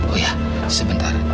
oh ya sebentar